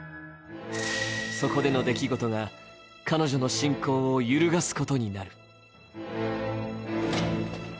そこでの出来事が彼女の信仰を揺るがすことになる。